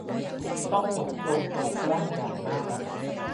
ต้องอดทนอดกลั้นอย่างมาก